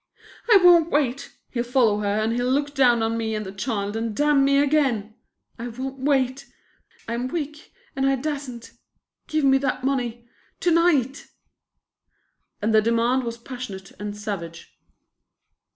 "I won't wait. He'll follow her and he'll look down on me and the child and damn me again. I won't wait. I'm weak and I dasn't. Give me that money to night!" And the demand was passionate and savage.